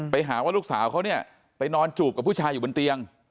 ไปหาว่าลูกสาวเขาเนี่ยไปนอนจูบกับผู้ชายอยู่บนเตียง